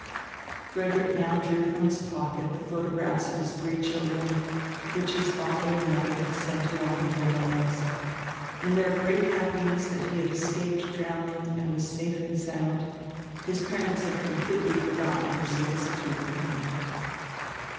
Frederick now drew from his pocket the photographs of his three children, which his father and mother had sent along with their letters. In their great happiness that he had escaped drowning and was safe and sound, his parents had completely forgotten their solicitude for him.